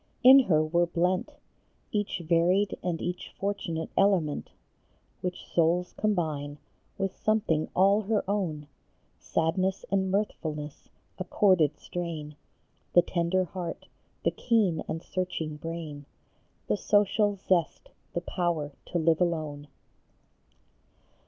In her were blent Each varied and each fortunate element Which souls combine, with something all her own, Sadness and mirthfulness, a chorded strain, The tender heart, the keen and searching brain, The social zest, the power to live alone.